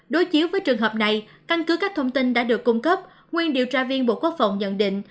đối chiếu với trường hợp này căn cứ các thông tin đã được cung cấp nguyên điều tra viên bộ quốc phòng nhận định